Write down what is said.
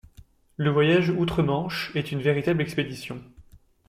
Le voyage outre-Manche est une véritable expédition.